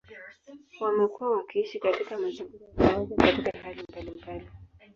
Wamekuwa wakiishi katika mazingira ya pamoja katika hali mbalimbali.